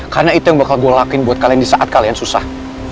karena itu yang bakal gue lakuin buat kalian disaat kalian susah